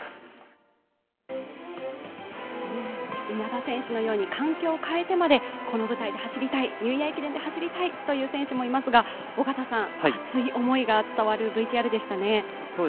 稲田選手のように環境を変えてまでこの舞台で走りたい、ニューイヤー駅伝で走りたいという選手もいますが、熱い思いが伝わるＶＴＲでしたね。